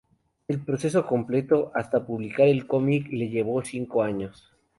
El proceso completo, hasta publicar el cómic, le llevó cinco años.